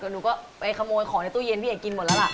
หนูก็ไปขโมยของในตู้เย็นพี่เอกกินหมดแล้วล่ะ